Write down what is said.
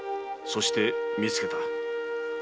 そして見つけた。